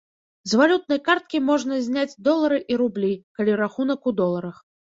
З валютнай карткі можна зняць долары і рублі, калі рахунак у доларах.